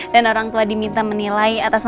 dan orang tua diminta menilai